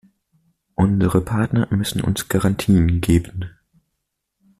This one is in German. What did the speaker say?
Unsere Partner müssen uns Garantien geben.